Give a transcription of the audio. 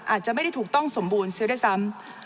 อาจจะไม่ได้ถูกต้องสมบูรณ์ซะด้วยซ้ำ